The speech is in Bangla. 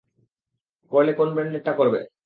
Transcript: করলে, কোন ব্রান্ডেরটা করেন?